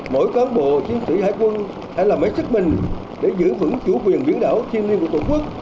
mỗi cán bộ chiến sĩ hải quân phải làm mấy sức mình để giữ vững chủ quyền biển đảo thiên liêng của tổ quốc